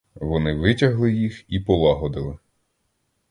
Вони витягли їх і полагодили.